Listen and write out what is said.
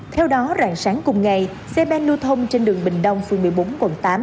theo đó rạng sáng cùng ngày xe bên nua thông trên đường bình đông phương một mươi bốn quận tám